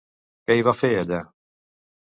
Què hi va fer, allà?